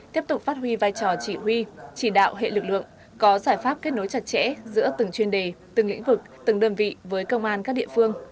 tiếp tục phát huy vai trò chỉ huy chỉ đạo hệ lực lượng có giải pháp kết nối chặt chẽ giữa từng chuyên đề từng lĩnh vực từng đơn vị với công an các địa phương